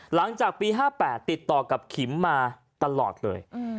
หลังจากปี๕๘ติดต่อกับขิมมาตลอดเลย